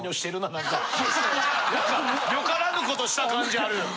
よからぬことした感じあるよ。